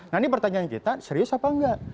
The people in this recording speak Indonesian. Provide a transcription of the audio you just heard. nah ini pertanyaan kita serius apa enggak